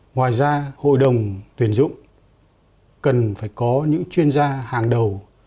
ngoài ra hội đồng tuyển dụng cần phải có những chuyên gia hàng đầu